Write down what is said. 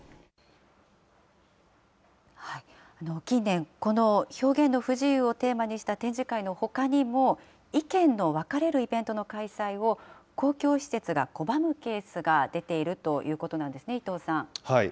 近年、この表現の不自由をテーマにした展示会のほかにも、意見の分かれるイベントの開催を、公共施設が拒むケースが出ているそうなんですね。